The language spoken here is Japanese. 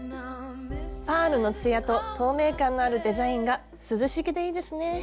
パールのつやと透明感のあるデザインが涼しげでいいですね。